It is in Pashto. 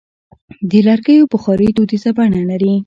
د لرګیو بخاري دودیزه بڼه لري.